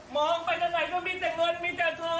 มองไปจะไหนก็มีแต่นกลลมีแต่คอบ